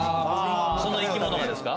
その生き物がですか？